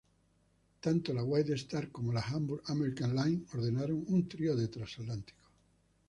Tanto la White Star como la Hamburg America Line ordenaron un trío de transatlánticos.